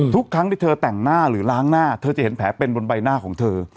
ทุกครั้งที่เธอแต่งหน้าหรือล้างหน้าเธอจะเห็นแผลเป็นบนใบหน้าของเธอ